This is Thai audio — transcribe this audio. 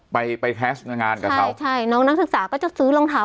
ไปไปแฮชในงานกับเขาใช่น้องนักศึกษาก็จะซื้อรองเท้า